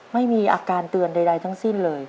ไม่มีอาการเตือนใดทั้งสิ้นเลย